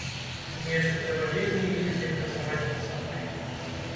Мне яшчэ трэба вельмі і вельмі працаваць над сабой.